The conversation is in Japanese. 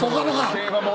競馬も。